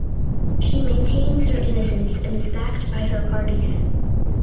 She maintains her innocence and is backed by her parties.